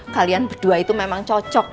kalian berdua itu memang cocok